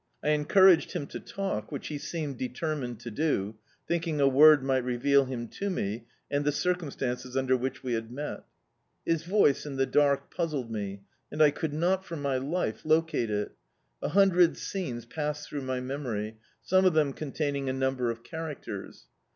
I encouraged him to talk — which he seemed deter mined to do — thinking a word mi^t reveal him to me, and the circumstances under which we had met. His voice in the dark puzzled me, and I could not for my life locate it. A hundred scenes passed through my memory, some of them containing a number of characters.